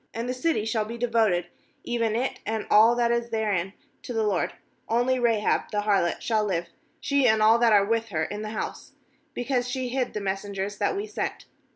17And the city shall be devoted, even it and all that is there 266 JOSHUA 77 in, to the LORD; only Rahab the har lot shall live, she and all that are with her in the house, because she hid the messengers that we sent.